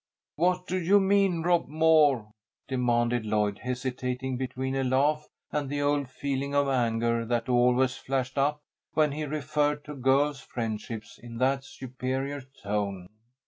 "What do you mean, Rob Moore?" demanded Lloyd, hesitating between a laugh and the old feeling of anger that always flashed up when he referred to girls' friendships in that superior tone.